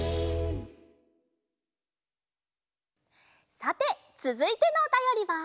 さてつづいてのおたよりは。